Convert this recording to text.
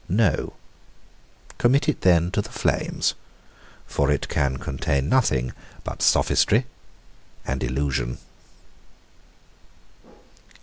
_ No. Commit it then to the flames: for it can contain nothing but sophistry and illusion.